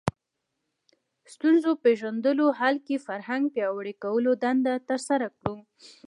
ستونزو پېژندلو حل کې فرهنګ پیاوړي کولو دنده ترسره کړو